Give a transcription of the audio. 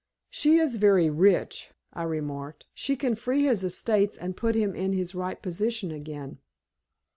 "She is very rich," I remarked. "She can free his estates and put him in his right position again."